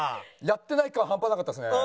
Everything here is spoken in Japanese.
やってない感半端なかったですね。